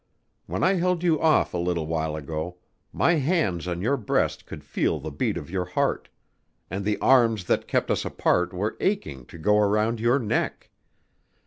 When I held you off a little while ago, my hands on your breast could feel the beat of your heart and the arms that kept us apart were aching to go round your neck.